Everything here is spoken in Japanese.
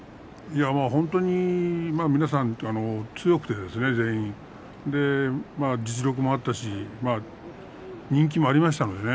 本当に皆さん強くて全員実力があったし人気もありましたのでね